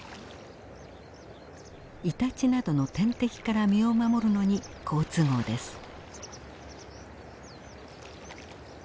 イタチなどの天敵から身を守るのに好都合です。